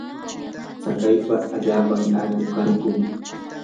tsakaypa allaapa allqum kanikun.